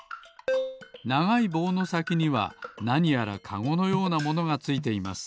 ながいぼうのさきにはなにやらカゴのようなものがついています。